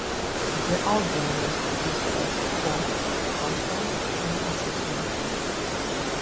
The album was produced by Scott Campbell and Acetone.